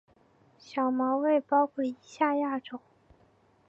小毛猬包括以下亚种